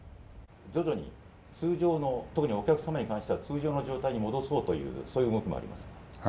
徐々に、通常の特に、お客様に関しては通常の状態に戻そうというそういう動きもあります。